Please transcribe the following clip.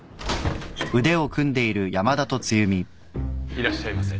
いらっしゃいませ。